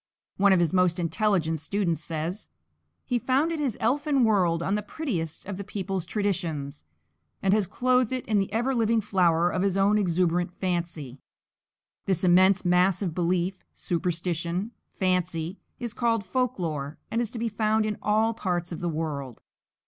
One of his most intelligent students says: "He founded his elfin world on the prettiest of the people's traditions, and has clothed it in the ever living flower of his own exuberant fancy." This immense mass of belief, superstition, fancy, is called folk lore and is to be found in all parts of the world.